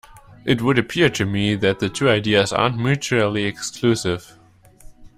It would appear to me that the two ideas aren't mutually exclusive.